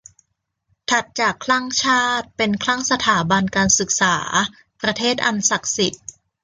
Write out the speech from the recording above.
ถัดจากคลั่งชาติ เป็นคลั่งสถาบันการศึกษา ประเทศอันศักดิ์สิทธิ์